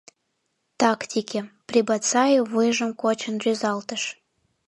— Тактике, — Прибоцаи вуйжым кочын рӱзалтыш.